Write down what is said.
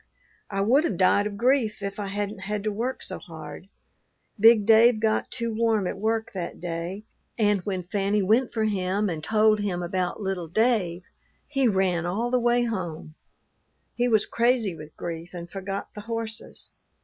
"I would have died of grief if I hadn't had to work so hard. Big Dave got too warm at work that day, and when Fanny went for him and told him about little Dave, he ran all the way home; he was crazy with grief and forgot the horses.